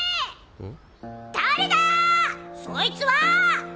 うん。